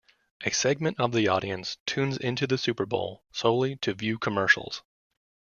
A segment of the audience tunes into the Super Bowl solely to view commercials.